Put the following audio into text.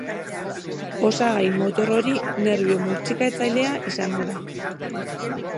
Osagai motor hori nerbio murtxikatzailea izango da.